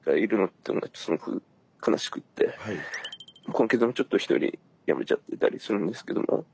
今月もちょっとひとり辞めちゃってたりするんですけども。